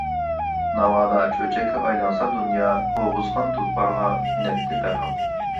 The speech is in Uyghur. ناۋادا چۆچەككە ئايلانسا دۇنيا، ئوغۇزخان تۇلپارغا مىنەتتى دەرھال.